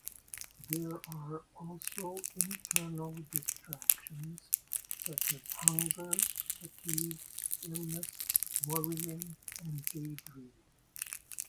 There are also internal distractions such as hunger, fatigue, illness, worrying, and daydreaming.